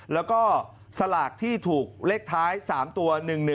แล้วก็สลากที่ถูกเลขท้าย๓ตัว๑๑๒